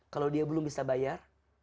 kalau dia belum bisa bayar